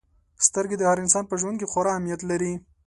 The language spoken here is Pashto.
• سترګې د هر انسان په ژوند کې خورا اهمیت لري.